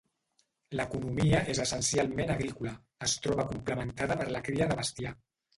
L'economia és essencialment agrícola; es troba complementada per la cria de bestiar.